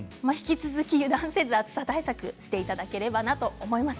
油断せず暑さ対策をしていただければと思います。